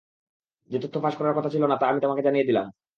যে তথ্য ফাঁস করার কথা ছিল না, তা আমি তোমাকে জানিয়ে দিলাম।